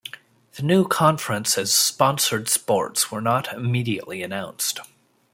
The new conferences' sponsored sports were not immediately announced.